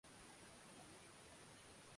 msimamizi hakutaka kuajiriwa kwenye titanic